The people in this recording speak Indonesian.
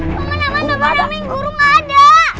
paman amin guru gak ada